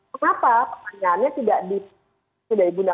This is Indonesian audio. kenapa pertanyaannya tidak disudahi bunda